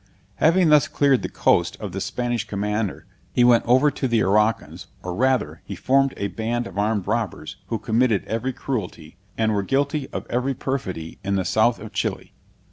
Having thus cleared the coast of the Spanish commander, he went over to the Araucans, or rather, he formed a band of armed robbers, who committed every cruelty, and were guilty of every perfidy in the south of Chili.